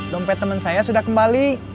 dompet teman saya sudah kembali